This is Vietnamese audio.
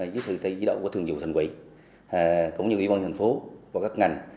với sự thay đổi của thường dụ thành quỷ cũng như huyện hòa vang thành phố và các ngành